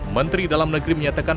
menteri dalam negeri menyatakan